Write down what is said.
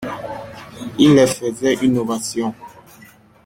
Ils leur faisaient une ovation.